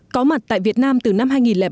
có mặt tại việt nam từ năm hai nghìn ba